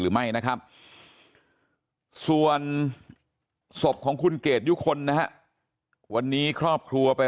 หรือไม่นะครับส่วนศพของคุณเกดยุคลนะฮะวันนี้ครอบครัวไป